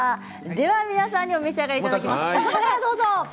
皆さんにお召し上がりいただきます。